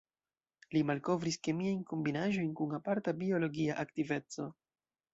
Li malkovris kemiajn kombinaĵojn kun aparta biologia aktiveco.